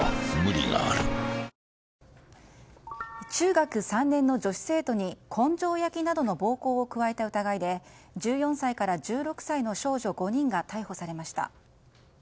中学３年の女子生徒に根性焼きなどの暴行を加えた疑いで１４歳から１６歳の少女５人が逮捕されました。